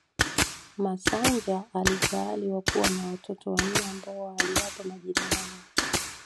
Masanja alijaaliwa kuwa na watoto wanne ambao aliwapa majina yao